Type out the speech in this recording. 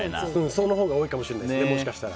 そのほうが多いかもしれないですね、もしかしたら。